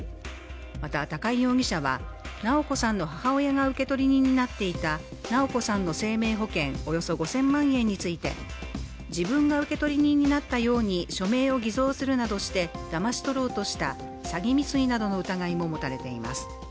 また、高井容疑者は直子さんの母親が受取人になっていた直子さんの生命保険およそ５０００万円について自分が受取人になったように署名を偽造するなどしてだまし取ろうとした詐欺未遂などの疑いも持たれています。